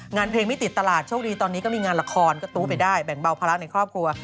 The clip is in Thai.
งานเพลงไม่ติดตลาดโชคดีตอนนี้ก็มีงานละครก็ตู้ไปได้แบ่งเบาภาระในครอบครัว